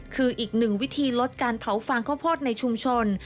คืออีกหนึ่งวิธีลดการเผาฟางข้าวโพดในชุมชน